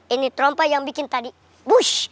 ini trompet yang bikin tadi bush